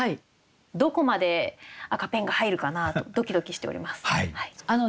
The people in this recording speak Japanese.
どこまで赤ペンが入るかなとドキドキしております。